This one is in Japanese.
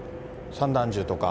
散弾銃とか？